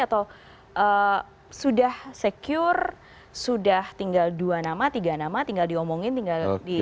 atau sudah secure sudah tinggal dua nama tiga nama tinggal diomongin tinggal di